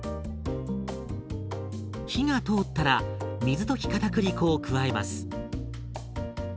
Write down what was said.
火が通ったら水溶きかたくり粉を加えます。